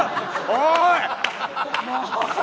おい！